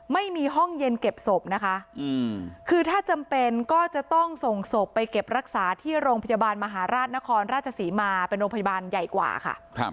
ไม่มีห้องเย็นเก็บศพนะคะคือถ้าจำเป็นก็จะต้องส่งศพไปเก็บรักษาที่โรงพยาบาลมหาราชนครราชศรีมาเป็นโรงพยาบาลใหญ่กว่าค่ะ